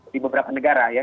di beberapa negara ya